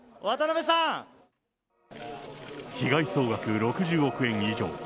被害総額６０億円以上。